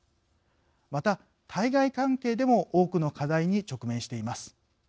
また対外関係でも多くの課題に直面しています。